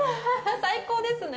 最高ですね。